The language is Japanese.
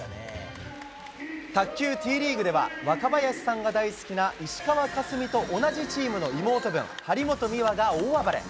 卓球Ｔリーグでは、若林さんが大好きな石川佳純と同じチームの妹分、張本美和が大暴れ。